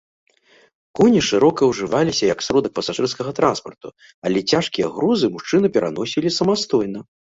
Коні шырока ўжываліся як сродак пасажырскага транспарту, але цяжкія грузы мужчыны пераносілі самастойна.